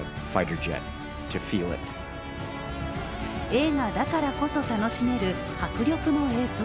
映画だからこそ楽しめる迫力の映像。